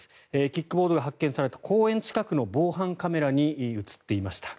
キックボードが発見された公園近くの防犯カメラに映っていました。